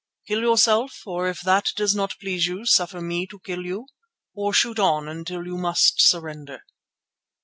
Kill yourself, or if that does not please you, suffer me to kill you? Or shoot on until you must surrender?"